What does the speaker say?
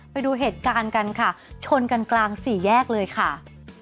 ไปดูเหตุการณ์กันค่ะชนกันกลางสี่แยกเลยค่ะ